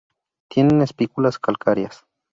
Tienen espículas calcáreas.